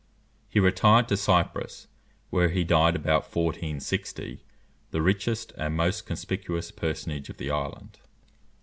He retired to Cyprus, where he died about 1460, the richest and most conspicuous personage of the island.